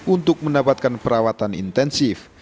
untuk mendapatkan perawatan intensif